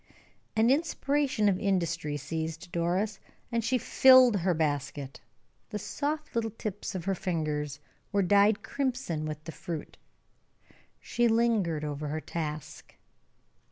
An inspiration of industry seized Doris, and she filled her basket; the soft little tips of her fingers were dyed crimson with the fruit. She lingered over her task.